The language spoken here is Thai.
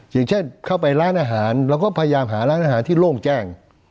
อย่างเช่นเข้าไปร้านอาหารเราก็พยายามหาร้านอาหารที่โล่งแจ้ง